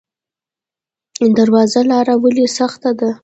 درواز لاره ولې سخته ده؟